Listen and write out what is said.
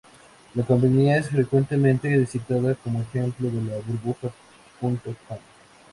La compañía es frecuentemente citada como ejemplo de la burbuja punto com.